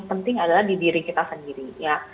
penting adalah di diri kita sendiri ya